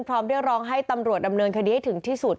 เรียกร้องให้ตำรวจดำเนินคดีให้ถึงที่สุด